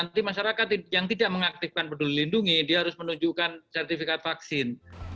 nanti masyarakat yang tidak mengaktifkan peduli lindungi dia harus menunjukkan sertifikat vaksin